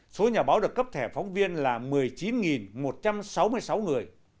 số nhà báo được cấp thẻ phóng viên là một mươi chín một trăm sáu mươi sáu người